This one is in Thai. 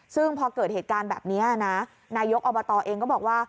ซึ่งพอเกิดเหตุการณ์แบบนี้นะนายกอบตเองก็บอกว่า